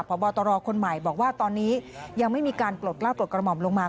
พบตรคนใหม่บอกว่าตอนนี้ยังไม่มีการปลดกล้าปลดกระหม่อมลงมา